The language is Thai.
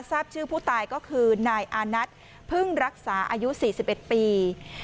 ทราบชื่อผู้ตายก็คือนายอานัทพึ่งรักษาอายุ๔๑ปี